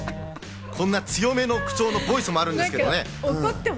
こんな強めの口調のボイスもあるんですね。